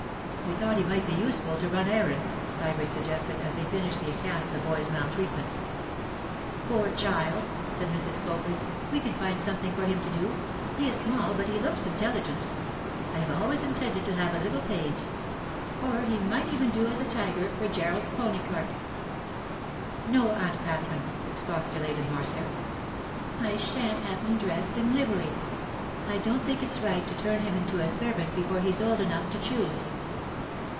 'We thought he might be useful to run errands,' Sybert suggested as they finished the account of the boy's maltreatment. 'Poor child!' said Mrs. Copley. 'We can find something for him to do. He is small, but he looks intelligent. I have always intended to have a little page—or he might even do as a tiger for Gerald's pony cart.' 'No, Aunt Katherine,' expostulated Marcia. 'I shan't have him dressed in livery. I don't think it's right to turn him into a servant before he's old enough to choose.